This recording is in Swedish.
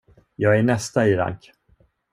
Jag är nästa i rank.